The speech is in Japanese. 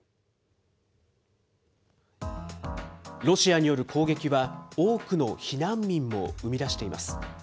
ロシアによる攻撃は多くの避難民も生み出しています。